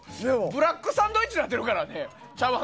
ブラックサンドイッチになってるからね。